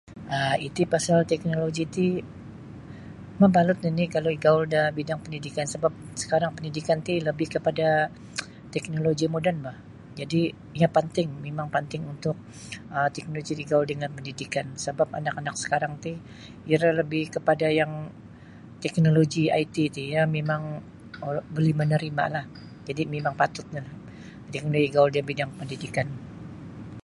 Iti pasal teknoloji ti mabalut nini kalau igaul da bidang pendidikan sebap sekarang pendidikan ti lebih kepada teknoloji moden boh jadi iyo panting mimang panting untuk um teknoloji ti igaul dengan pendidikan anak-anak sekarang ti iro lebih kepada yang teknoloji IT ti iyo mimang buli yang menerimalah jadi mimang patutlah yang igaul da bidang pendidikan.